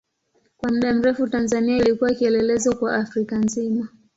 Kwa muda mrefu Tanzania ilikuwa kielelezo kwa Afrika nzima.